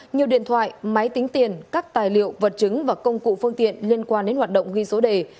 nhiều điện thoại máy tính tiền các tài liệu vật chứng và công cụ phương tiện liên quan đến hoạt động ghi số đề